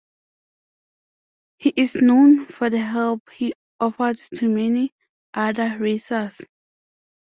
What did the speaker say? He is known for the help he offered to many other racers.